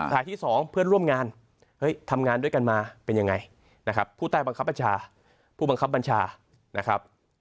รายที่๒เพื่อนร่วมงานเฮ้ยทำงานด้วยกันมาเป็นยังไงนะครับผู้ใต้บังคับบัญชาผู้บังคับบัญชานะครับ